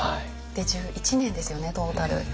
で１１年ですよねトータル。